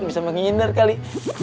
bisa menghindar kali